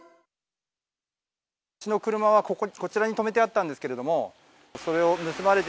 うちの車はこちらに止めてあったんですけれども、それを盗まれて。